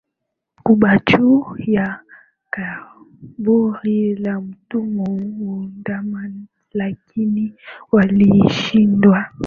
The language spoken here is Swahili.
kuba juu ya kaburi la Mtume Muhamad lakini walishindwa